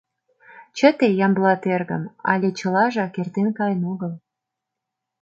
— Чыте, Ямблат эргым, але чылажак эртен каен огыл...